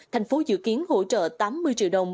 thành phố dự kiến hỗ trợ tám mươi triệu đồng